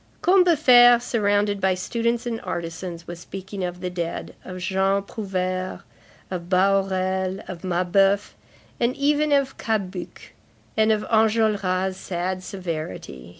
Combeferre, surrounded by students and artisans, was speaking of the dead, of Jean Prouvaire, of Bahorel, of Mabeuf, and even of Cabuc, and of Enjolras' sad severity.